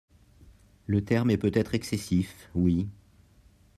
le terme est peut-être excessif, Oui